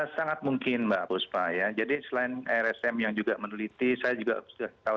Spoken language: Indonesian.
sangat mungkin mbak puspa ya jadi selain rsm yang juga meneliti saya juga sudah tahu